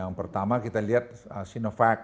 yang pertama kita lihat sinovac